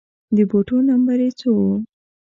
د بوټو نمبر يې څو و